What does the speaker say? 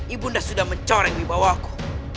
ibunda sudah mencoreng dibawahku